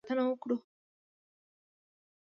له دوی پرته نشو کولای له کرامت ساتنه وکړو.